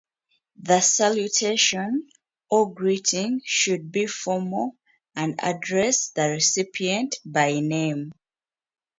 The salutation, or greeting, should be formal and address the recipient by name.